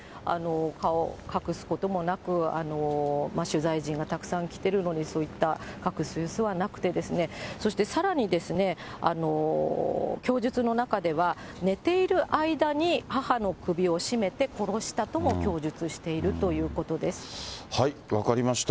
顔を隠すこともなく、取材陣がたくさん来てるのに、そういった隠す様子はなくてですね、そしてさらに、供述の中では寝ている間に母の首を絞めて殺したとも供述している分かりました。